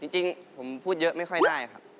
จริงผมพูดเยอะไม่ค่อยได้ครับ